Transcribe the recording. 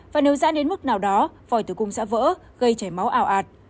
và nếu rãn đến mức nào đó voi từ cung sẽ vỡ gây chảy máu ảo ạt